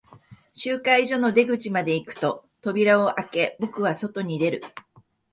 集会所の出口まで行くと、扉を開け、僕は外に出る。